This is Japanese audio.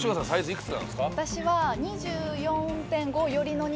私は。